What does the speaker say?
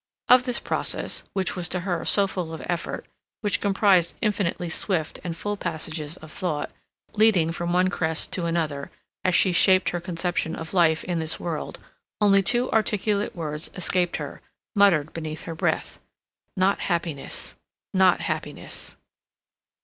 Of this process, which was to her so full of effort, which comprised infinitely swift and full passages of thought, leading from one crest to another, as she shaped her conception of life in this world, only two articulate words escaped her, muttered beneath her breath—"Not happiness—not happiness."